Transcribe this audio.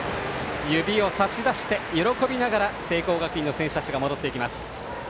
指を差し出して喜びながら聖光学院の選手たちが戻っていきます。